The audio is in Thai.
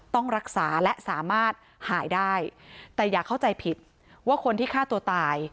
ต้องรักษาและสามารถหายได้แต่อย่าเข้าใจผิดว่าคนที่ฆ่าตัวตาย